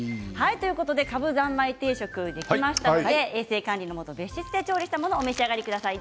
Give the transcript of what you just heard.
かぶ三昧定食できましたので衛生管理のもと別室で調理したものをお召し上がりください。